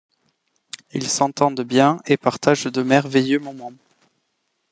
Ils s'entendent bien, et partagent de merveilleux moments.